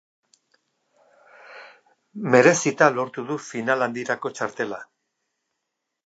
Merezita lortu du final handirako txartela.